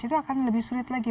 itu akan lebih sulit lagi